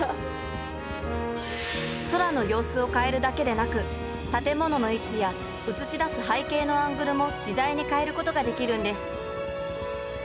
空の様子を変えるだけでなく建物の位置や映し出す背景のアングルも自在に変えることができるんです